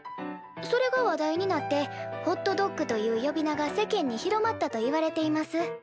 それが話題になってホットドッグという呼び名が世間に広まったといわれています」。